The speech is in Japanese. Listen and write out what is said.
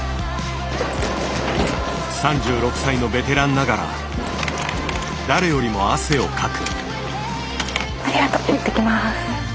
３６歳のベテランながら誰よりも汗をかく。